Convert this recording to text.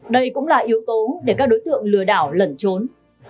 đây cũng là yếu tố để các đối tượng lừa đảo lẩn trốn